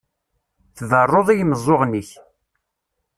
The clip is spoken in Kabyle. Tberruḍ i yimeẓẓuɣen-ik.